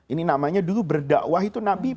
ini namanya dulu berdakwah itu nabi